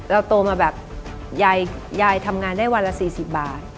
โตมาแบบยายทำงานได้วันละ๔๐บาท